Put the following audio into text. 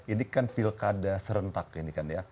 ini kan pilkada serentak ini kan ya